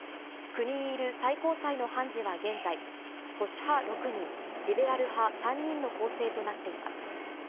９人いる最高裁の判事は、現在、保守派６人、リベラル派３人の構成となっています。